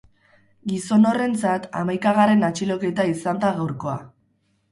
Gizon horrentzat, hamaikagarren atxiloketa izan da gaurkoa.